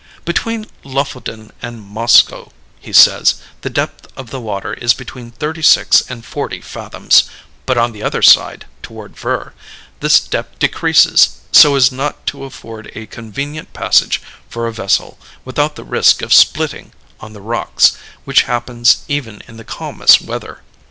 "Between Lofoden and Moskoe," he says, "the depth of the water is between thirty six and forty fathoms; but on the other side, toward Ver, this depth decreases so as not to afford a convenient passage for a vessel, without the risk of splitting on the rocks, which happens even in the calmest weather.